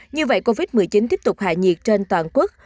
như vậy covid một mươi chín tiếp tục hạ nhiệt trên toàn quốc